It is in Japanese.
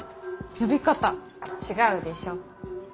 呼び方違うでしょ？